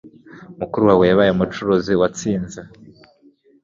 Mukuru wawe yabaye umucuruzi watsinze.